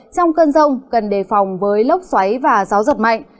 trong cơn rông cần đề phòng với lốc xoáy và gió giật mạnh